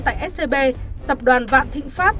tại scb tập đoàn vạn thịnh pháp